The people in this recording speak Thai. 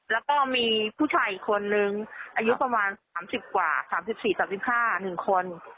แล้วก็มีผู้ชายอีกคนนึงอายุประมาณ๓๐กว่า๓๔๓๕๑คน